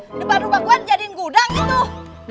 di depan rumah gua dijadiin gudang itu